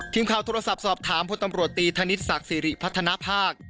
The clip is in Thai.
ทีมข่าวโทรศัพท์สอบถามพลตำรวจตีธนิษฐศักดิ์สิริพัฒนภาค